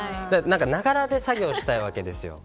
ながらで作業したいわけですよ。